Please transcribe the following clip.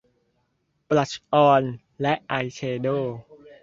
บลัชออน และอายแชโดว์